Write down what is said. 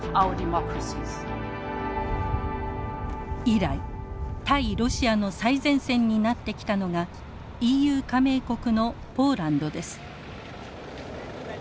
以来対ロシアの最前線になってきたのがＥＵ加盟国のポーランドです。